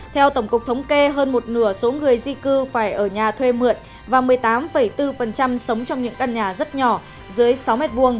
theo tổng cục thống kê hơn một nửa số người di cư phải ở nhà thuê mượn và một mươi tám bốn sống trong những căn nhà rất nhỏ dưới sáu m hai